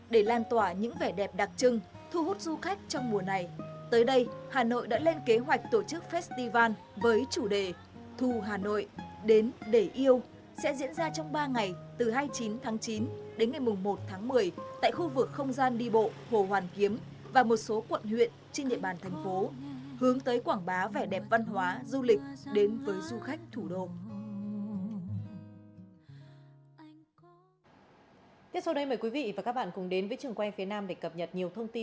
để lan tỏa những vẻ đẹp đặc trưng thu hút du khách trong mùa này tới đây hà nội đã lên kế hoạch tổ chức festival với chủ đề thu hà nội đến để yêu sẽ diễn ra trong ba ngày từ hai mươi chín tháng chín đến ngày một tháng một mươi tại khu vực không gian đi bộ hồ hoàn kiếm và một số quận huyện trên địa bàn thành phố hướng tới quảng bá vẻ đẹp văn hóa du lịch đến với du khách thủ đô